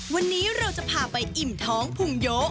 วันนี้เราจะพาไปอิ่มท้องพุงโย